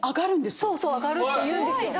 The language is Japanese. そうそう上がるっていうんですよ。